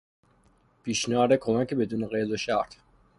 پیشنهاد کمک بدون قید و شرط